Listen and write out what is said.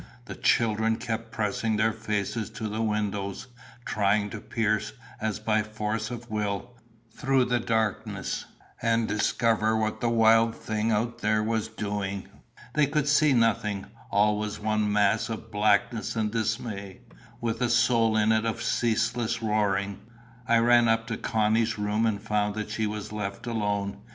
The children kept pressing their faces to the windows, trying to pierce, as by force of will, through the darkness, and discover what the wild thing out there was doing. They could see nothing: all was one mass of blackness and dismay, with a soul in it of ceaseless roaring. I ran up to Connie's room, and found that she was left alone.